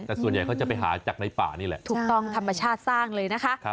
แต่ส่วนใหญ่เขาจะไปหาจากในป่านี่แหละถูกต้องธรรมชาติสร้างเลยนะคะ